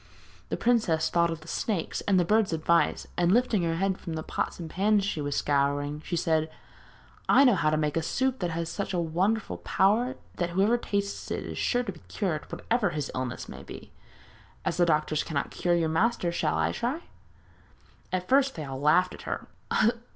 The princess thought of the snakes, and the bird's advice, and lifting her head from the pots and pans she was scouring, she said: 'I know how to make a soup that has such a wonderful power that whoever tastes it is sure to be cured, whatever his illness may be. As the doctors cannot cure your master shall I try?' At first they all laughed at her.